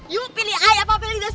yuk pilih i apa pilih dese